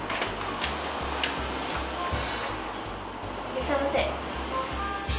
いらっしゃいませ。